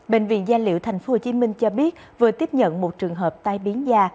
bệnh viện gia liệu tp hcm cho biết vừa tiếp nhận một trường hợp tai biến da